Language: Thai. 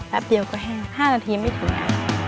แป๊บเดียวก็แห้ง๕นาทีไม่ถูกนะ